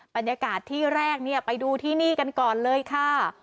บรรยากาศที่แรกเนี่ยไปดูที่นี่กันก่อนเลยค่ะ